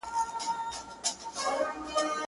دې پــــه ژونــــد كي ورتـه ونـه كتل يـاره.